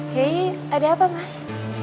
hei ada apa mas